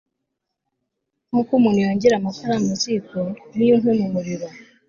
nk'uko umuntu yongera amakara mu ziko n'inkwi mu muriro